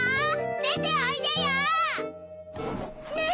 でておいでよ！ねぇ！